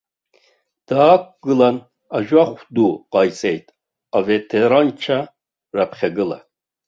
Даақәгылан ажәахә ду ҟаиҵеит аветеранцәа раԥхьагыла.